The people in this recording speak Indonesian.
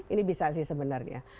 ini bisa sih sebenarnya